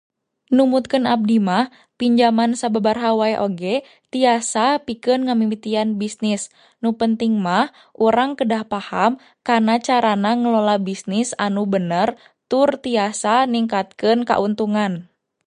Numutkeun abdi mah pinjaman sababaraha wae oge tiasa pikeun ngamimitian bisnis, nupenting mah urang kedah paham kana carana ngelola bisnis anu bener tur tiasa ningkatkeun kauntungan.